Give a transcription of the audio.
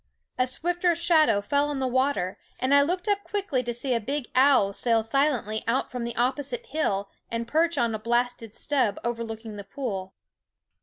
A swifter shadow fell on the water, and I looked up quickly to see a big owl sail silently out from the opposite hill and perch on a blasted stub overlooking the pool.